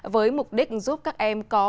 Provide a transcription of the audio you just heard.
với mục đích giúp các em có một cuộc đời tốt hơn